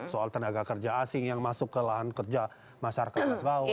soal tenaga kerja asing yang masuk ke lahan kerja masyarakat bawah